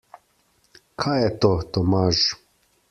Kaj je to, Tomaž?